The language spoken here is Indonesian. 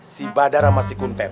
si badar sama si kuntet